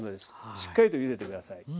しっかりとゆでて下さい。